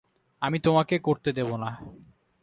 আমি তোমাকে করতে দেব না!